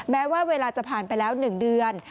แม้ว่าเวลาจะผ่านไปแล้ว๑เดือน